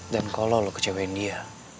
dan kalo lo kecewain dia